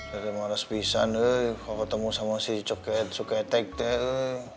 jadi males pisah nih kalau ketemu sama si coket coketek deh